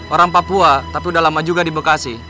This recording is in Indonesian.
orang papua tapi udah lama juga di bekasi